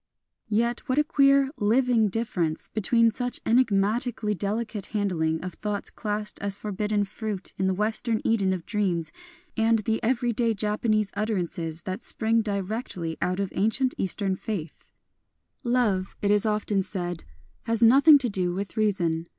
Yet what a queer living difference be tween such enigmatically delicate handling of thoughts classed as forbidden fruit in the Western Eden of Dreams and the every day Japanese utterances that spring directly out of ancient Eastern faith !— 190 BUDDHIST ALLUSIONS Love, it is often said, has nothing to do with reason.